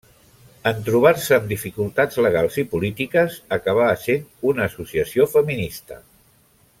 En trobar-se amb dificultats legals i polítiques acabà essent una associació feminista.